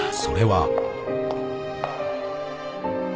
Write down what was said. ［それは］